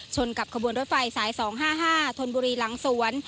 กับขบวนรถไฟสาย๒๕๕ธนบุรีหลังสวน